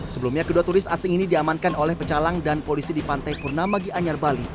sebelumnya kedua turis asing ini diamankan oleh pecalang dan polisi di pantai purnama gianyar bali